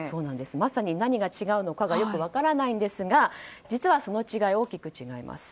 まさに何が違うのかよく分からないんですが実はその違い、大きく違います。